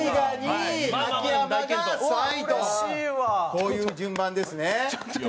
こういう順番ですね。